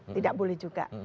tidak boleh juga